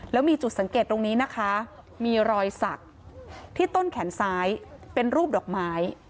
แล้วมีจุดสังเกตตรงนี้นะคะมีรอยสักที่ต้นแขนซ้ายเป็นรูปดอกไม้